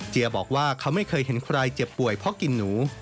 บอกว่าเขาไม่เคยเห็นใครเจ็บป่วยเพราะกินหนู